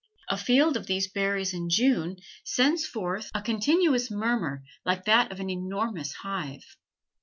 A field of these berries in June sends forth a continuous murmur like that of an enormous hive.